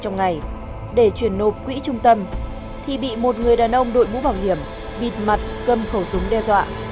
trong ngày để chuyển nộp quỹ trung tâm thì bị một người đàn ông đội mũ bảo hiểm bịt mặt cầm khẩu súng đe dọa